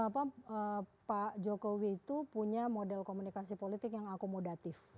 pak jokowi itu punya model komunikasi politik yang akomodatif